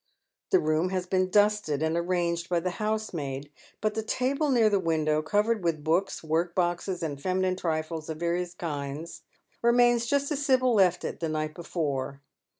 The room has been dusted and arranged by the housemaid, but the table near the window, covered with books, workboxcs and feminine trifles of various kinds, remains just as Sibyl left it tlie night before.